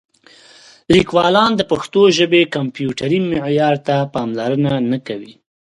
لیکوالان د پښتو ژبې کمپیوټري معیار ته پاملرنه نه کوي.